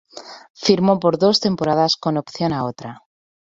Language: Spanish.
Firmó por dos temporadas con opción a otra.